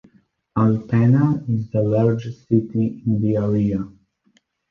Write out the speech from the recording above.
Alpena is the largest city in the area.